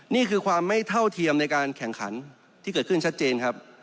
นี่คือความไม่เท่าเทียมในการแข่งขันที่เกิดขึ้นชัดเจนครับ